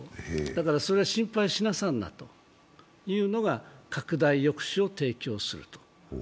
だから心配しなさんなというのが拡大抑止を提供すると。